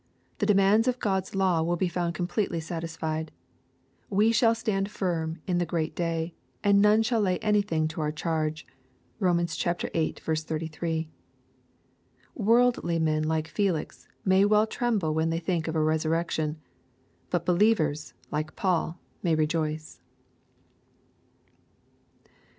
The demands of God's law will be found completely satisfied. We shall stand firm in the great day, and none shall lay anything to our charge. (Rom. viii. 33.) Worldly men like Felix, may well tremble when they think of a resurrection. But believers, like Paul, may rejoice.